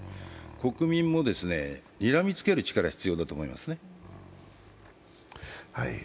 国民も、にらみつける力が必要だと思いますね。